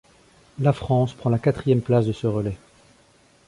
La France prend la quatrième place de ce relais.